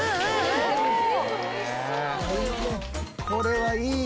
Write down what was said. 「これはいい」